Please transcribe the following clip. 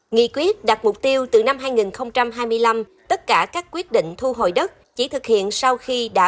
nghị quyết đặt mục tiêu từ năm hai nghìn hai mươi năm tất cả các quyết định thu hồi đất chỉ thực hiện sau khi đã